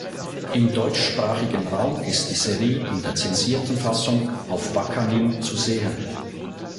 Im deutschsprachigen Raum ist die Serie in der zensierten Fassung auf Wakanim zu sehen.